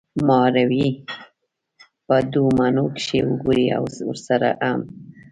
محاورې په دوو معنو کښې وګورئ او ورسره هم